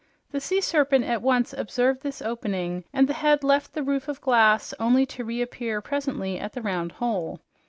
The sea serpent at once observed this opening and the head left the roof of glass only to reappear presently at the round hole.